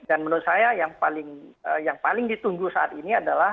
dan menurut saya yang paling ditunggu saat ini adalah